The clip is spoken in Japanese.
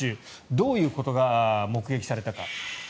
どういうことが目撃されたか。